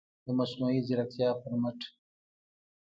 د مصنوعي ځیرکتیا پر مټ